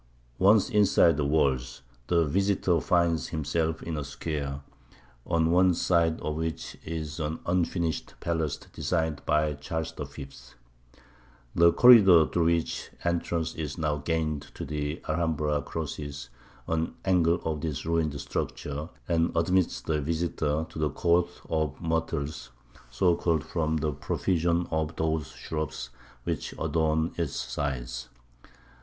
Once inside the walls, the visitor finds himself in a square, on one side of which is an unfinished palace designed by Charles the Fifth. The corridor through which entrance is now gained to the Alhambra crosses an angle of this ruined structure and admits the visitor to the Court of the Myrtles, so called from the profusion of those shrubs which adorn its sides.